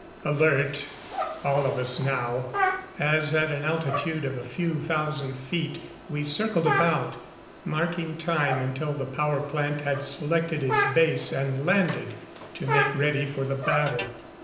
Alert, all of us now, as at an altitude of a few thousand feet we circled about, marking time until the power plant had selected its base and landed to make ready for the battle.